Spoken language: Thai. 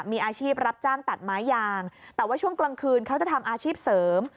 มีอาชีพรับจ้างตัดไม้ยางแต่ว่าช่วงกลางคืนเขาจะทำอาชีพเสริม